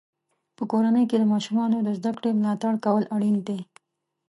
په کورنۍ کې د ماشومانو د زده کړې ملاتړ کول اړین دی.